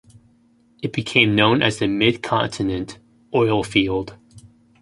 It became known as the Mid-continent Oil Field.